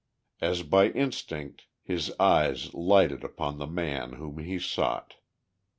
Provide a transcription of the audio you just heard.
As by instinct his eyes lighted upon the man whom he sought.